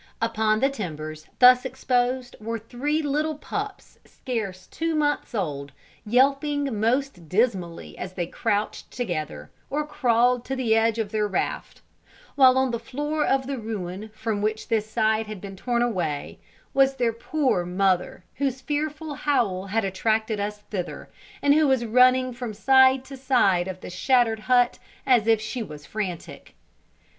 Upon the timbers thus exposed were three little pups scarce two months old, yelping most dismally as they crouched together, or crawled to the edge of their raft; while on the floor of the ruin from which this side had been torn away, was their poor mother, whose fearful howl had attracted us thither, and who was running from side to side of the shattered hut as if she was frantic.